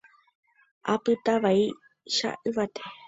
apytávaicha yvate